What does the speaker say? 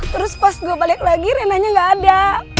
terus pas gue balik lagi renanya gak ada